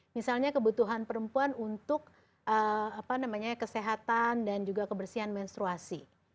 misalnya kebutuhan perempuan untuk kesehatan dan juga kebersihan menstruasi